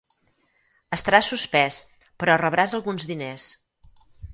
Estaràs suspès, però rebràs alguns diners.